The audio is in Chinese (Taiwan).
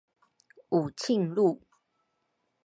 武慶路